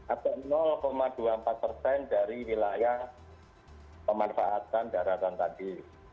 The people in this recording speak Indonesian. atau dua puluh empat persen dari wilayah pemanfaatan daratan tadi